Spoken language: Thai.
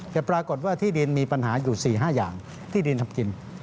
แต่ปรากฏว่าที่ดินมีปัญหาอยู่๔๕อย่างที่ดินทำกิน